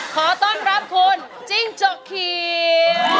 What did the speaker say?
ขอต้อนรับคุณจิ้งจกเขียว